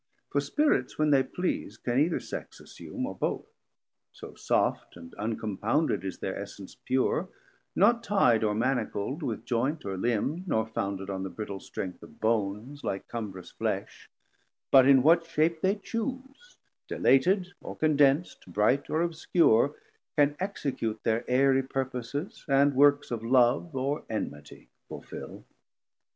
For Spirits when they please Can either Sex assume, or both; so soft And uncompounded is their Essence pure, Not ti'd or manacl'd with joynt or limb, Nor founded on the brittle strength of bones, Like cumbrous flesh; but in what shape they choose Dilated or condens't, bright or obscure, Can execute their aerie purposes, 430 And works of love or enmity fulfill.